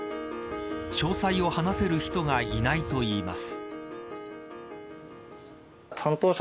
詳細を話せる人がいないといいます。